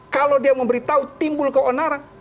kalau dia memberitahu timbul keonaran